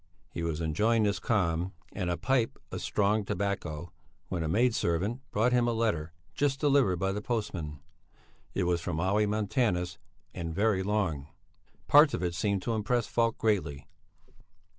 He was enjoying this calm and a pipe of strong tobacco, when a maid servant brought him a letter just delivered by the postman. It was from Olle Montanus and very long. Parts of it seemed to impress Falk greatly.